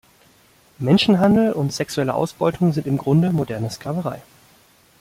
Menschenhandel und sexuelle Ausbeutung sind im Grunde moderne Sklaverei.